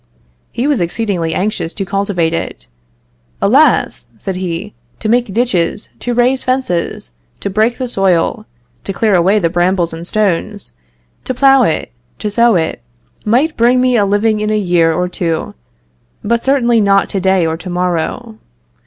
He was exceedingly anxious to cultivate it. "Alas!" said he, "to make ditches, to raise fences, to break the soil, to clear away the brambles and stones, to plough it, to sow it, might bring me a living in a year or two; but certainly not to day, or to morrow.